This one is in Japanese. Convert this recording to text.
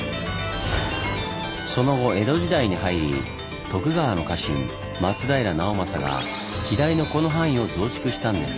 その後江戸時代に入り徳川の家臣松平直政が左のこの範囲を増築したんです。